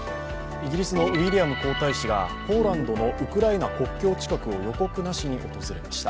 イギリスのウィリアム皇太子がポーランドのウクライナ国境近くを予告なしに訪れました。